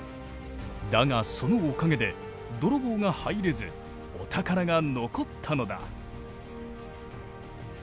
だがそのおかげで泥棒が入れずお宝が残ったのだ。